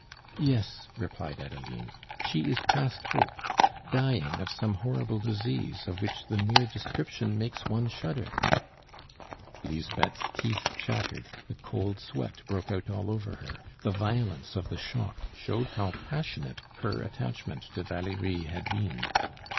"Yes," replied Adeline; "she is past hope dying of some horrible disease of which the mere description makes one shudder " Lisbeth's teeth chattered, a cold sweat broke out all over her; the violence of the shock showed how passionate her attachment to Valerie had been.